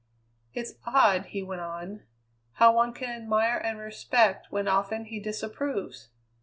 "It's odd," he went on, "how one can admire and respect when often he disapproves.